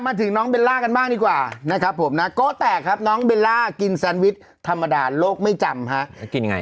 มาถึงน้องเบลล่ากันบ้างดีกว่านะครับผมนะโก๊แตกครับน้องเบลล่ากินแซนวิชธรรมดาโลกไม่จำฮะ